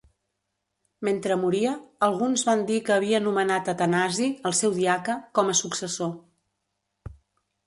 Mentre moria, alguns van dir que havia nomenat Atanasi, el seu diaca, com a successor.